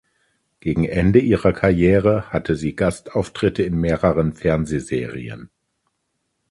Gegen Ende ihrer Karriere hatte sie Gastauftritte in mehreren Fernsehserien.